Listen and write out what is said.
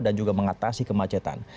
dan juga mengatasi kemacetan